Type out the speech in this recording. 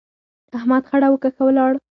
احمد خړه وکښه، ولاړ.